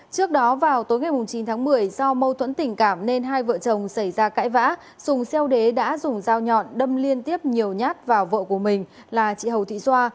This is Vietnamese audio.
trước đó vào tối ngày chín tháng một mươi do mâu thuẫn tình cảm nên hai vợ chồng xảy ra cãi vã sùng xeo đế đã dùng dao nhọn đâm liên tiếp nhiều nhát vào vợ của mình là chị hầu thị xoa